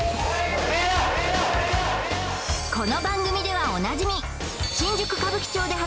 この番組ではおなじみ